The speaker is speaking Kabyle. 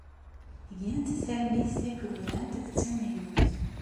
Gant tarmit takrurant d tamaynut.